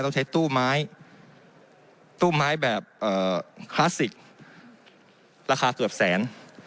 ต้องใช้ตู้ไม้ตู้ไม้แบบคลาสสิกราคาเกือบแสน